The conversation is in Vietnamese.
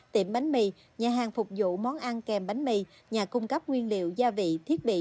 tiệm bánh mì nhà hàng phục vụ món ăn kèm bánh mì nhà cung cấp nguyên liệu gia vị thiết bị